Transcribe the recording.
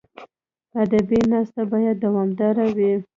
ادبي ناسته باید دوامداره وي.